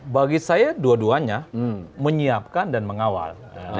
bagi saya dua duanya menyiapkan dan mengawal